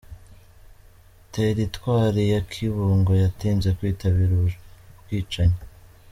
Teritwari ya Kibungo yatinze kwitabira ubwicanyi.